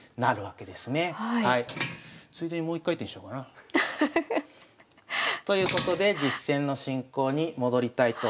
ついでにもう一回転しようかな。ということで実戦の進行に戻りたいと思います。